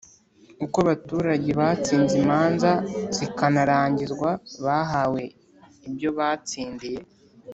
Uko baturage batsinze imanza zikanarangizwa bahawe ibyo batsindiye